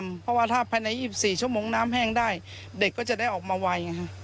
เพราะว่าถ้าภายใน๒๔ชั่วโมงน้ำแห้งได้เด็กก็จะได้ออกมาไวไงฮะ